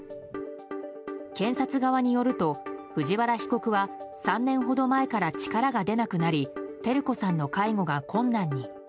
検察側によると藤原被告は３年ほど前から力が出なくなり照子さんの介護が困難に。